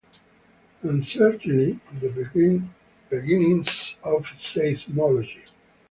And certainly the beginnings of seismology.